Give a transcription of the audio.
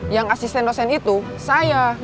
yang asisten dosen itu saya